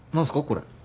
これ。